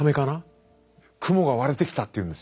雲が割れてきたっていうんですよ。